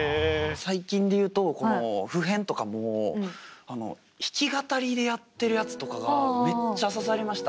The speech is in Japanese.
最近で言うとこの「普変」とかも弾き語りでやってるやつとかがめっちゃ刺さりました。